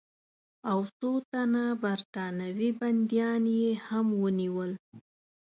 او څو تنه برټانوي بندیان یې هم ونیول.